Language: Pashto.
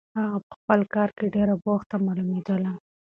هغه په خپل کار کې ډېره بوخته معلومېدله.